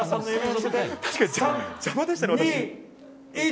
確かに邪魔でしたね、私。